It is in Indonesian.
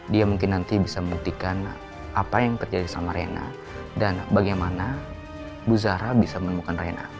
dia mungkin nanti bisa membuktikan apa yang terjadi sama reina dan bagaimana bu zahra bisa menemukan reina